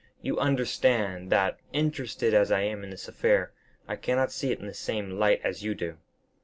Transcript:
You understand that, interested as I am in this affair, I cannot see it in the same light as you do.